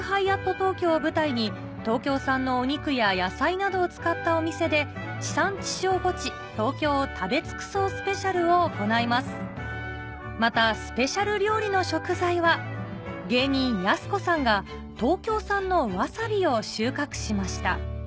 東京を舞台に東京産のお肉や野菜などを使ったお店で「地産地消ゴチ！東京を食べ尽くそうスペシャル」を行いますまたスペシャル料理の食材は芸人やす子さんが東京産のワサビを収穫しました